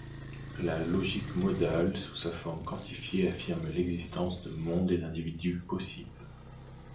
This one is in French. La logique modale sous sa forme quantifiée affirme l'existence de mondes et d'individus possibles.